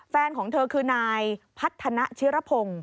แฟนของเธอคือนายพัฒนาชิรพงศ์